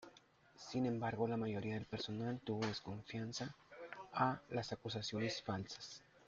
Sin embargo, la mayoría del personal tuvo desconfianza a las acusaciones falsas.